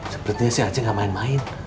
sebetulnya si aceh gak main main